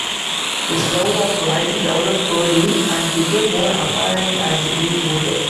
His love of writing developed early and became more apparent as he grew older.